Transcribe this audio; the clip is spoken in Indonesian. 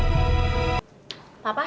bisa mah kau